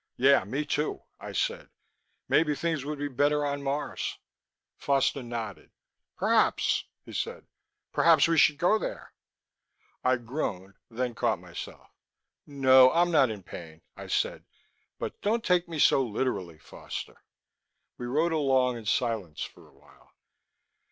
"Yeah, me, too," I said. "Maybe things would be better on Mars." Foster nodded. "Perhaps," he said. "Perhaps we should go there." I groaned, then caught myself. "No, I'm not in pain," I said. "But don't take me so literally, Foster." We rode along in silence for a while.